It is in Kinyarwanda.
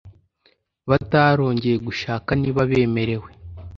batarongeye gushaka? niba bemerewe